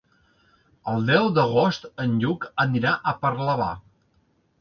El deu d'agost en Lluc anirà a Parlavà.